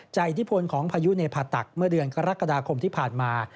อิทธิพลของพายุในผ่าตักเมื่อเดือนกรกฎาคมที่ผ่านมา